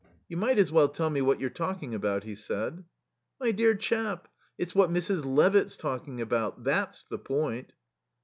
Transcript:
"You might as well tell me what you're talking about," he said. "My dear chap, it's what Mrs. Levitt's talking about. That's the point."